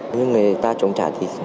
nhưng người ta chống trả thì đúng rồi